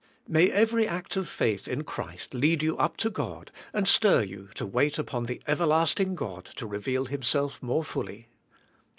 May every act of faith in Christ lead you up to God, and stir you to wait upon the Everlasting God, to reveal Himself more fully.